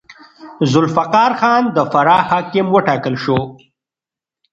ذوالفقار خان د فراه حاکم وټاکل شو.